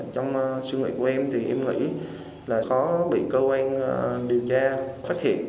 trong suy nghĩ của em thì em nghĩ là khó bị công an điều tra phát hiện